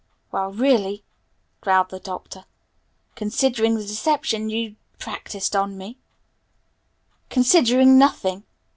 "Well, really," growled the Doctor, "considering the deception you practised on me " "Considering nothing!"